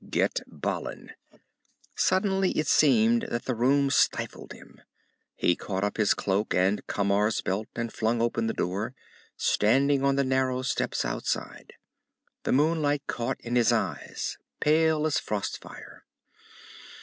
"Get Balin." Suddenly it seemed that the room stifled him. He caught up his cloak and Camar's belt and flung open the door, standing on the narrow steps outside. The moonlight caught in his eyes, pale as frost fire.